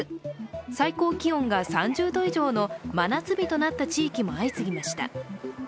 最高気温が３０度以上の真夏日となった地域も相次ぎました。